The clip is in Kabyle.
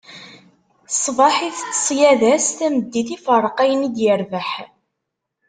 Ṣṣbeḥ, itett ṣṣyada-s, tameddit, iferreq ayen i d-irbeḥ.